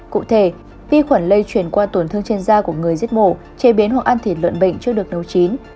cụ thể vi khuẩn lây chuyển qua tổn thương trên da của người giết mổ chế biến hoặc ăn thịt lợn bệnh chưa được nấu chín